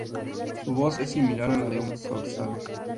Su voz es similar a la de un "zorzal".